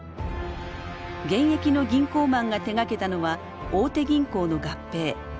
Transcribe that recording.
現役の銀行マンが手がけたのは大手銀行の合併。